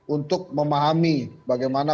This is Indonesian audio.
untuk memahami bagaimana